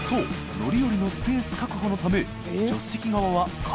乗り降りのスペース確保のため姤蠕並Δ亙疋